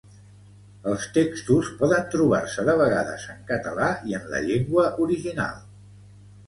Els textos poden trobar-se de vegades en català i en la llengua original.